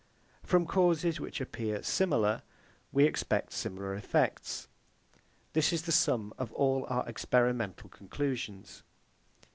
From causes which appear similar we expect similar effects. This is the sum of all our experimental conclusions.